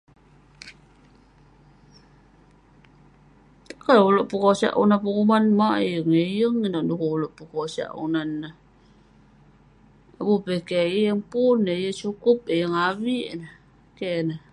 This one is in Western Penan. Takan uleuk pekosyak unan penguman, mauk eh yeng, eh yeng. Ineuk dukuk uleuk pekosyak unan neh. Abu peh eh keh, eh yeng pun ne, eh yeng shukup, eh yeng avik ineh. Keh ineh.